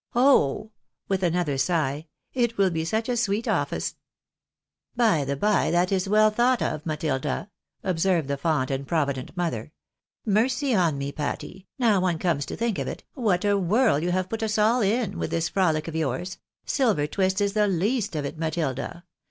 Oh !" with another sigh, " it will be such a sweet office !"" By the by, that is well thought of, Matilda," observed the fond and provident mother. "Mercy on me, Patty, now one comes to think of it, what a whirl you have put us all in, with this frolic of yours— silver twist is the least of it, Matilda